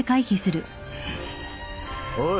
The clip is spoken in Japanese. おい。